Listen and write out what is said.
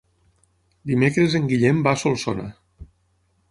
Dimecres en Guillem va a Solsona.